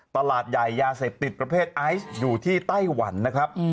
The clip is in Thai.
ตลาดใหญ่ยาเสพติดประเภทไอซ์อยู่ที่ไต้หวันนะครับ